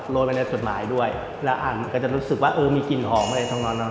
โลยไปในจดหมายด้วยและอ่านก็จะรู้สึกว่ามีกลิ่นหอมาในทางนอน